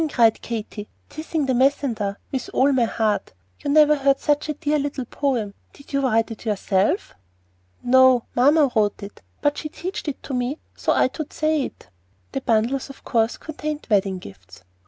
cried Katy, "tissing the messender" with all her heart. "I never heard such a dear little poem. Did you write it yourself, Roslein?" "No. Mamma wote it, but she teached it to me so I tould say it." The bundles of course contained wedding gifts.